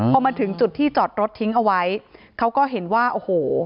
พอมาถึงจุดที่จอดรถทิ้งเอาไว้เขาก็เห็นว่าโอ้โห